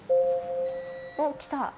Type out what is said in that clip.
おっ来た。